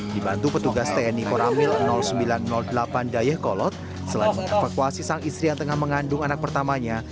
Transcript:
dibantu petugas tni koramil sembilan ratus delapan dayah kolot selain mengevakuasi sang istri yang tengah mengandung anak pertamanya